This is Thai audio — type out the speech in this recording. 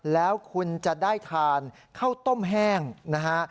แล้วคุณจะได้ทานข้าวต้มแห้งนะฮะ